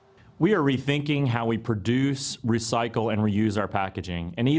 kami sedang memikirkan cara kita memproduksi menggabungkan dan menggunakan pengisian plastik